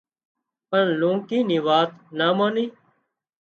پڻ لونڪي نِي وات نا ماني